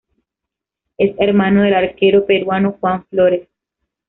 Es hermano del arquero peruano Juan Flores.